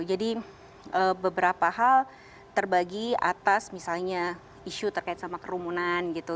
jadi beberapa hal terbagi atas misalnya isu terkait sama kerumunan gitu